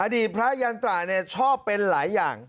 อดีตพระยันตราชอบเป็นหลายอย่าง